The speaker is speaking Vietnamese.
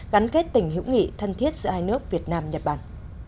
gắn kết tình hữu nghị thân thiết giữa hai nước việt nam nhật bản